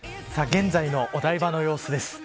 現在のお台場の様子です。